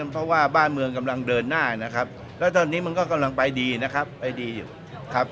เพราะว่าบ้านเมืองกำลังเดินหน้านะครับแล้วตอนนี้มันก็กำลังไปดีนะครับไปดีอยู่ครับ